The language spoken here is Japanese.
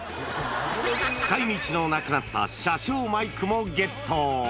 使いみちのなくなった車掌マイクもゲット。